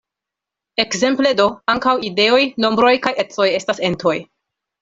Ekzemple do, ankaŭ ideoj, nombroj kaj ecoj estas entoj.